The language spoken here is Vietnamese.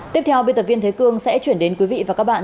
tiếp theo biên tập viên thế cương sẽ chuyển đến quý vị và các bạn